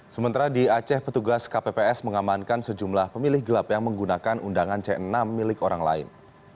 sementara di aceh petugas kpps mengamankan sejumlah pemilih gelap yang menggunakan undangan c enam milik orang lain